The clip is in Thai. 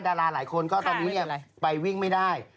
ดาราหลายคนก็ตอนนี้ไปวิ่งไม่ได้